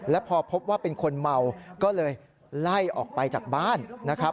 แล้วพอพบว่าเป็นคนเมาก็เลยไล่ออกไปจากบ้านนะครับ